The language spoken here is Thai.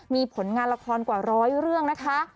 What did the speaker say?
มีผลงานละครกว่าร้อยเรื่องนะคะ